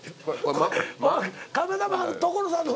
カメラマン所さんの。